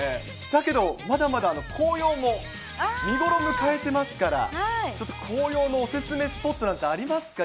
だけどまだまだ紅葉も見頃を迎えてますから、ちょっと紅葉のお勧めスポットなんてありますか？